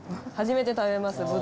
初めて食べます